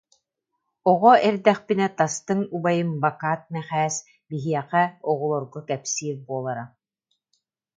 Оҕо эрдэхпинэ, тастыҥ убайым Бакат Мэхээс биһиэхэ, оҕолорго кэпсиир буолара: